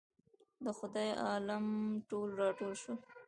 د خدای عالم ټول راټول شول.